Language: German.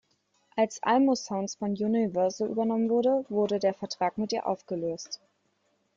Als Almo Sounds von Universal übernommen wurde, wurde der Vertrag mit ihr aufgelöst.